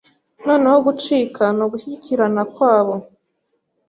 Noneho gucika ni ugushyigikirana kwabo